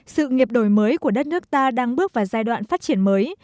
sự nghiệp đổi mới của đất nước ta đang bước vào giai đoạn phát triển mới